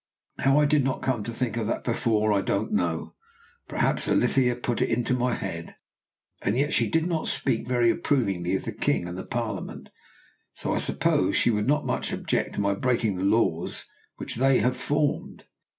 How I did not come to think of that before, I don't know. Perhaps Alethea put it into my head; and yet she did not speak very approvingly of the king and the Parliament, so I suppose she would not much object to my breaking the laws which they have formed.